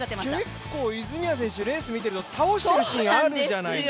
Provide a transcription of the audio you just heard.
結構、泉谷選手レースを見ていると、倒しているシーンあるじゃないですか。